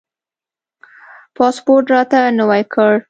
پاسپورټ راته نوی کړ.